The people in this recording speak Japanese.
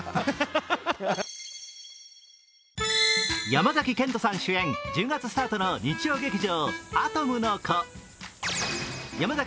山崎賢人さん主演１０月スタートの日曜劇場「アトムの童」。